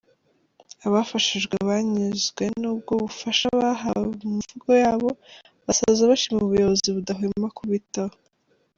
Abafashijwe banyuzwe n’ubwo bufasha bahawe mu mvugo yabo basoza bashima ubuyobozi budahwema kubitaho.